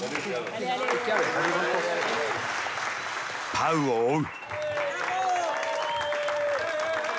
パウを追う。